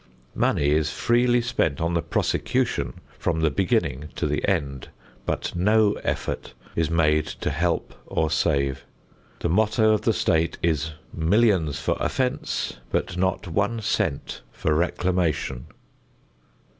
Money is freely spent on the prosecution from the beginning to the end, but no effort is made to help or save. The motto of the state is: "Millions for offense, but not one cent for reclamation."